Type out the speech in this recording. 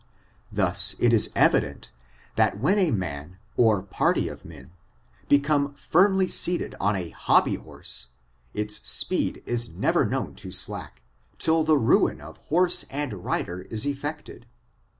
Thus it is evident, that when a man, or party of men, be come firmly seated on a hobby horsey its speed is never known to slack, till the ruin of horse and rider is effected.